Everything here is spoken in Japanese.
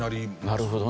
なるほどね。